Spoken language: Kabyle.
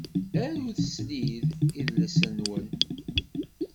Arut slid idles-nwen